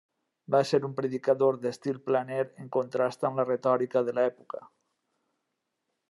Va ser un predicador d'estil planer, en contrast amb la retòrica de l'època.